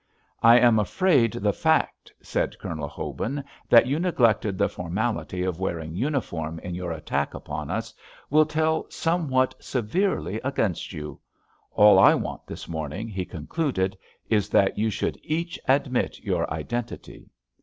"I am afraid the fact," said Colonel Hobin, "that you neglected the formality of wearing uniform in your attack upon us will tell somewhat severely against you. All I want this morning," he concluded, "is that you should each admit your identity."